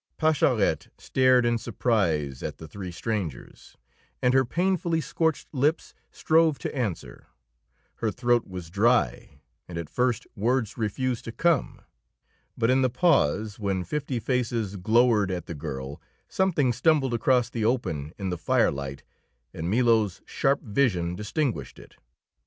Pascherette stared in surprise at the three strangers, and her painfully scorched lips strove to answer. Her throat was dry, and at first words refused to come. But in the pause, when fifty faces glowered at the girl, something stumbled across the open in the firelight, and Milo's sharp vision distinguished it.